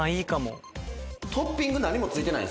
トッピング何もついてない。